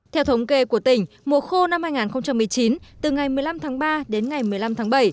theo thống kê của tỉnh mùa khô năm hai nghìn một mươi chín từ ngày một mươi năm tháng ba đến ngày một mươi năm tháng bảy